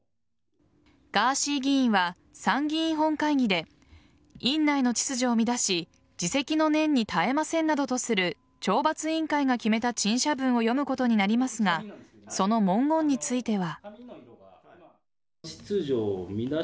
ガーシー議員は参議院本会議で院内の秩序を乱し自責の念に堪えませんなどとする懲罰委員会が決めた陳謝文を読むことになりますがその文言については。